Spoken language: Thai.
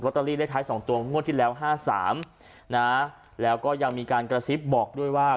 เตอรี่เลขท้าย๒ตัวงวดที่แล้วห้าสามนะแล้วก็ยังมีการกระซิบบอกด้วยว่า